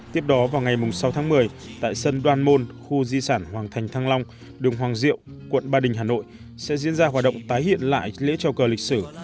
tiếp đó vào ngày sáu tháng một mươi tại sân đoan môn khu di sản hoàng thành thăng long đường hoàng diệu quận ba đình hà nội sẽ diễn ra hoạt động tái hiện lại lễ trao cờ lịch sử